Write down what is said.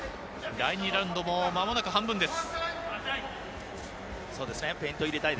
第２ラウンドも間もなく半分です。